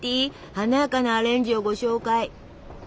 華やかなアレンジをご紹介！